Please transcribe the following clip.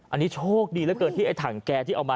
อันนี้โชคดีเหลือเกินที่ไอ้ถังแกที่เอามา